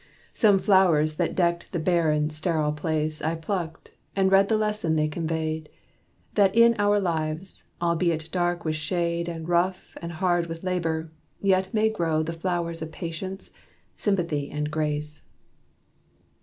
Some flowers that decked the barren, sterile place I plucked, and read the lesson they conveyed, That in our lives, albeit dark with shade And rough and hard with labor, yet may grow The flowers of Patience, Sympathy, and Grace.